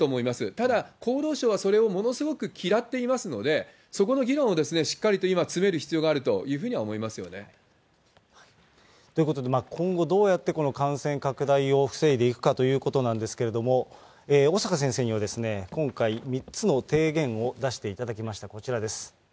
ただ厚労省はそれをものすごく嫌っていますので、そこの議論を今、しっかりと今詰める必要があるというふうには思いますよね。ということで、今後、どうやって感染拡大を防いでいくかということなんですけれども、小坂先生には今回、３つの提言を出していただきました、こちらです。